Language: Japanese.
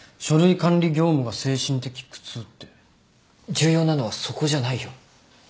重要なのはそこじゃないよ。